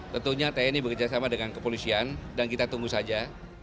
tentunya tni bekerjasama dengan kepolisian dan kita tunggu saja